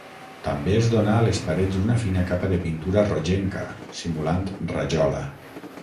També es donà a les parets una fina capa de pintura rogenca, simulant rajola.